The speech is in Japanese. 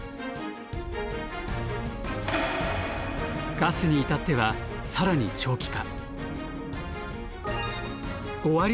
ガスに至ってはさらに長期化。